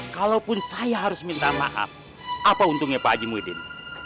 kalaupun saya harus minta maaf apa untungnya pak haji muhyiddin